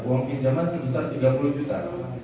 uang pinjaman sebesar tiga puluh juta